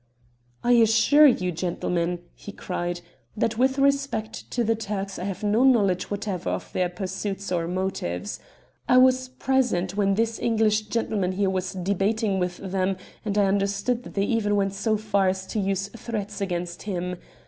"I assure you, gentlemen," he cried, "that with respect to the Turks I have no knowledge whatever of their pursuits or motives. I was present when this English gentleman here was debating with them, and I understood that they even went so far as to use threats against him.